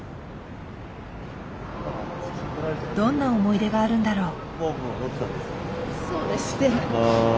どんな思い出があるんだろう。